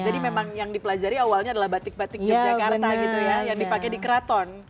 jadi memang yang dipelajari awalnya adalah batik batik yogyakarta gitu ya yang dipakai di keraton